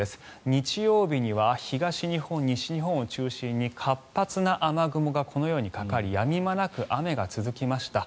日曜日には東日本、西日本を中心に活発な雨雲がこのようにかかりやみ間なく雨が続きました。